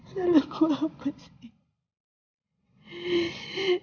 salah gue apa sih